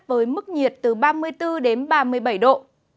với mức nhiệt từ ba mươi bốn đến ba mươi bảy độ